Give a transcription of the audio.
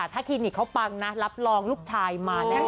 ถ้าคลินิกเขาปังนะรับรองลูกชายมาแน่น